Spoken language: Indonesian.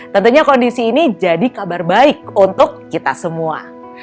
tentunya kondisi ini jadi kabar baik untuk kita semua